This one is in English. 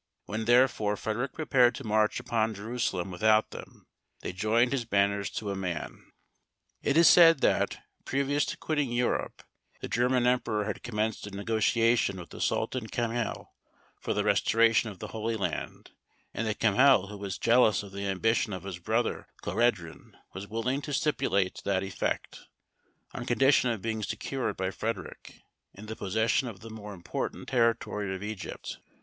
When, therefore, Frederic prepared to march upon Jerusalem without them, they joined his banners to a man. [Illustration: TEMPLAR AND HOSPITALLER.] It is said that, previous to quitting Europe, the German emperor had commenced a negotiation with the Sultan Camhel for the restoration of the Holy Land, and that Camhel, who was jealous of the ambition of his brother Cohreddin, was willing to stipulate to that effect, on condition of being secured by Frederic in the possession of the more important territory of Egypt.